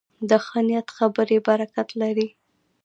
د ښه نیت خبرې برکت لري